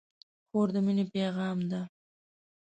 خور د مینې پیغام ده.